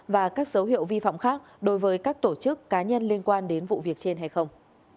và các dấu hiệu vi phạm khác đối với các tổ chức cá nhân liên quan đến vụ việc trên hay không